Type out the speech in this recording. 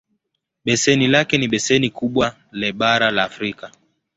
Beseni lake ni beseni kubwa le bara la Afrika.